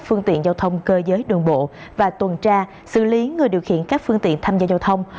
phương tiện giao thông cơ giới đường bộ và tuần tra xử lý người điều khiển các phương tiện tham gia giao thông